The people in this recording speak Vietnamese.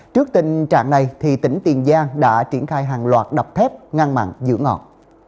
trước tình trạng này tỉnh tiền giang đã triển khai hàng loạt đập thép ngăn mặn giữ ngọt